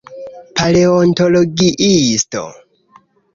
... paleontologiisto